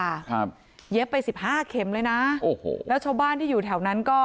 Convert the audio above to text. ครับเย็บไปสิบห้าเข็มเลยนะโอ้โหแล้วชาวบ้านที่อยู่แถวนั้นก็